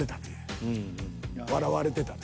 笑われてた？